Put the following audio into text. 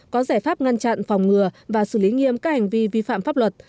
có giải pháp ngăn chặn phòng ngừa và xử lý nghiêm các hành vi vi phạm pháp luật